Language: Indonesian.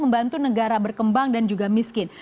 membantu negara berkembang dan juga miskin